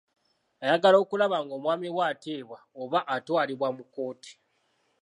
Ayagala okulaba ng'omwamiwe ateebwa oba atwalibwa mu kkooti.